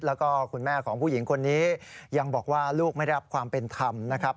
แล้วก็คุณแม่ของผู้หญิงคนนี้ยังบอกว่าลูกไม่ได้รับความเป็นธรรมนะครับ